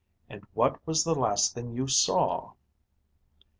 And what was the last thing you saw?"